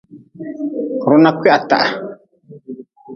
Runa kwihatah.